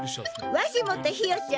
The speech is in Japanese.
わしもとひよちゃん